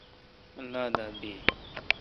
اللہ دا بیی۔